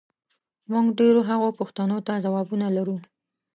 موږ ډېرو هغو پوښتنو ته ځوابونه لرو،